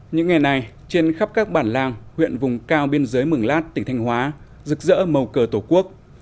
những ngày này trên khắp các bản làng huyện vùng cao biên giới mường lát tỉnh thanh hóa rực rỡ màu cờ tổ quốc